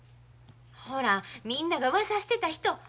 ほらみんながうわさしてた人。